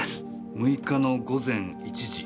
６日の午前１時。